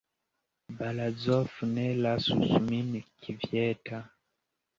Barazof ne lasus min kvieta.